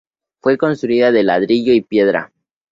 Fue construido de ladrillo y piedra.